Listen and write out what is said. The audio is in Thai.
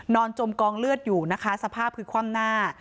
จมกองเลือดอยู่นะคะสภาพคือคว่ำหน้า